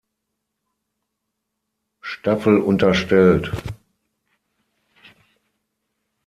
Staffel unterstellt.